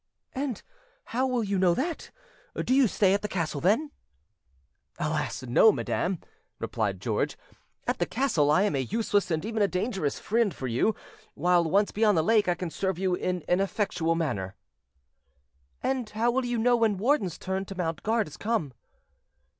"And how will you know that? Do you stay at the castle, then?" "Alas! no, madam," replied George; "at the castle I am a useless and even a dangerous fried for you, while once beyond the lake I can serve you in an effectual manner." "And how will you know when Warden's turn to mount guard has come?"